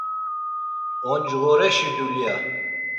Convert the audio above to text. Oncğoreşi dulya.